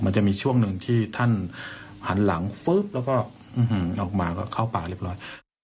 มันจะมีช่วงหนึ่งที่ท่านหันหลังฟึ๊บแล้วก็ออกมาก็เข้าป่าเรียบร้อย